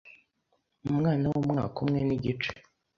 Umwana w’umwaka umwe n’igice